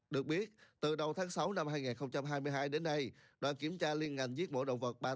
được biết từ đầu tháng sáu năm hai nghìn hai mươi hai đến nay đoàn kiểm tra liên ngành giết mổ động vật ba trăm tám mươi chín